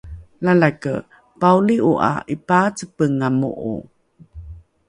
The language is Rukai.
Lalake, paoli'o 'a 'ipaacepenga mo'o